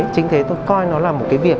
chính thế tôi coi nó là một cái việc